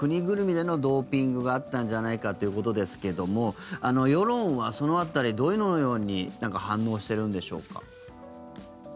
ぐるみでのドーピングがあったんじゃないかということですけども世論は、その辺りどのように反応してるんでしょうか。